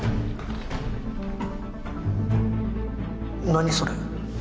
何それ？